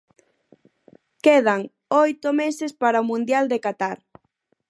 Quedan oito meses para o mundial de Qatar.